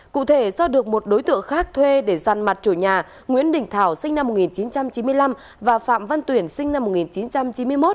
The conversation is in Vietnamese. cụ thể do được một đối tượng khác thuê để giàn mặt chủ nhà nguyễn đình thảo sinh năm một nghìn chín trăm chín mươi năm và phạm văn tuyển sinh năm một nghìn chín trăm chín mươi một